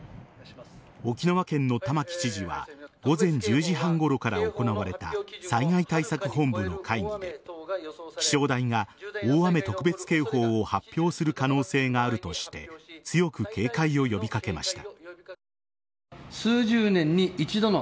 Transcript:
沖縄県の玉城知事は午前１０時半ごろから行われた災害対策本部の会議で気象台が大雨特別警報を発表する可能性があるとして強く警戒を呼び掛けました。